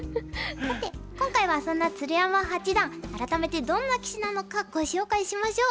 さて今回はそんな鶴山八段改めてどんな棋士なのかご紹介しましょう。